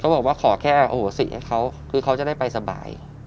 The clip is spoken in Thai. ก็าบอกว่าขอการขอแค่อ่อครับจะได้ไปสบาย